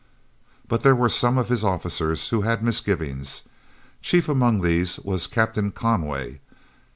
But there were some of his officers who had misgivings. Chief among these was Captain Conway.